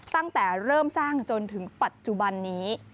ตั้งแต่เริ่มสร้างจนถึงปัจจุบันนี้